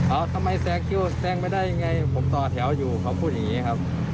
เอาทำไมแซงคิวแซงไม่ได้ยังไงผมต่อแถวอยู่เขาพูดอย่างนี้ครับ